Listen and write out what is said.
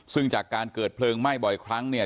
ซึ่งจากการเกิดเพลิงไหม้บ่อยครั้งเนี่ย